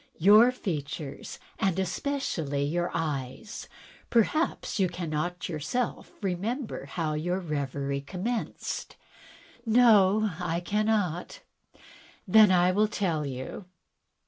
"Your features, and especially your eyes. Perhaps you cannot yourself recall how your reverie commenced?" " No, I cannot." "Then I will tell you.